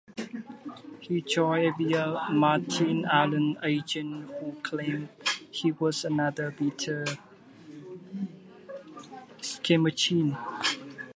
He joined via Martin Allen's agent, who claimed he was "another Peter Schmeichel".